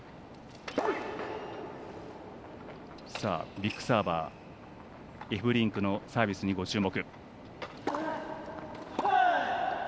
ビッグサーバーのエフベリンクのサービスにご注目。